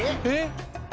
えっ？